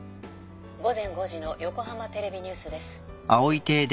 午前５時の横浜テレビニュースです。